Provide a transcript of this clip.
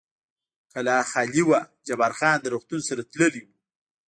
کلا خالي وه، جبار خان د روغتون سره تللی و.